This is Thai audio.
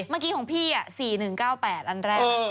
เมื่อกี้ของพี่๔๑๙๘อันแรก